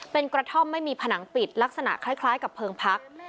เป็นกระท่อมไม่มีผนังปิดลักษณะคล้ายกับเพลิงพัก